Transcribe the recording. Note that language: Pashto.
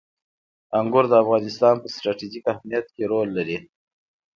انګور د افغانستان په ستراتیژیک اهمیت کې رول لري.